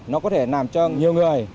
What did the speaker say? nó có thể làm cho nhiều người